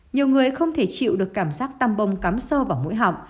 nhiều người không thể chịu được cảm giác tăm bông cắm sâu vào mũi họng